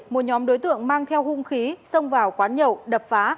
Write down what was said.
một nhóm đối tượng mang theo hung khí xông vào quán nhậu đập phá